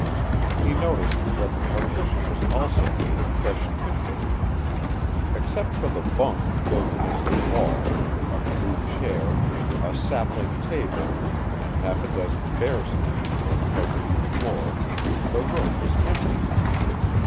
He noticed that the partition was also made of fresh timber. Except for the bunk built against the wall, a crude chair, a sapling table and half a dozen bear skins that carpeted the floor the room was empty.